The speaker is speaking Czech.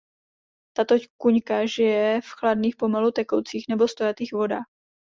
Tato kuňka žije v chladných pomalu tekoucích nebo stojatých vodách.